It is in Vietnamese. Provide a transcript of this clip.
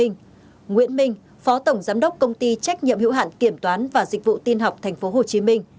nguyễn minh phó tổng giám đốc công ty trách nhiệm hữu hạn kiểm toán và dịch vụ tin học tp hcm